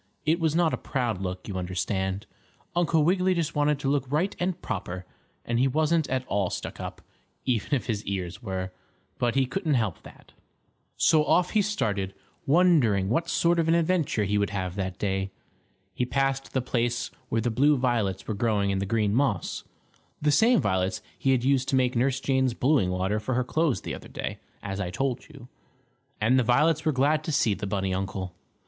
It was not a proud look, you understand. Uncle Wiggily just wanted to look right and proper, and he wasn't at all stuck up, even if his ears were, but he couldn't help that. So off he started, wondering what sort of an adventure he would have that day. He passed the place where the blue violets were growing in the green moss the same violets he had used to make Nurse Jane's blueing water for her clothes the other day, as I told you. And the violets were glad to see the bunny uncle.